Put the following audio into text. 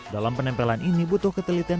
dalam penempelan ini butuh ketelitian